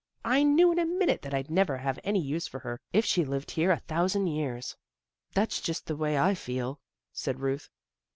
I knew in a minute that I'd never have any use for her if she lived here a thousand years." " That's just the way I feel," said Ruth.